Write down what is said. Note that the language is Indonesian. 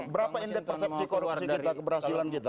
berapa indeks persepsi korupsi kita keberhasilan kita